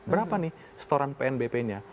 berapa nih setoran pnbp nya